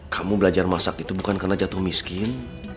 kamu belajar masak itu bukan karena jatuh miskin